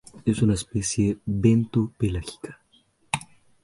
Es una especie bento-pelágica.